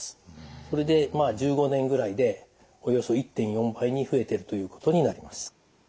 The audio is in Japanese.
それで１５年ぐらいでおよそ１．４倍に増えてるということになります。